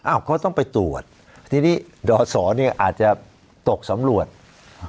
อ้าวก็ต้องไปตรวจดสอาจจะตกสำรวจก่อน